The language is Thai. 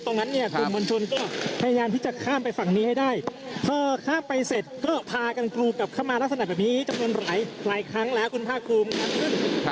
ตรงนั้นเนี่ยกลุ่มมวลชนก็พยายามที่จะข้ามไปฝั่งนี้ให้ได้พอข้ามไปเสร็จก็พากันกรูกลับเข้ามาลักษณะแบบนี้จำนวนหลายหลายครั้งแล้วคุณภาคภูมิ